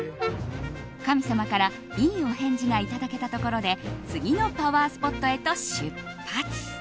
神様からいいお返事がいただけたところで次のパワースポットへと出発！